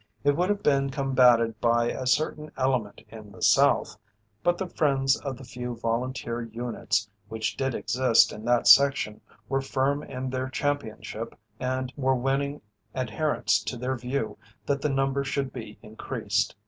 It would have been combatted by a certain element in the South, but the friends of the few volunteer units which did exist in that section were firm in their championship and were winning adherents to their view that the number should be increased.